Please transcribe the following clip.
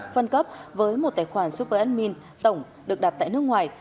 phân cấp với một tài khoản super admin tổng được đặt tại nước ngoài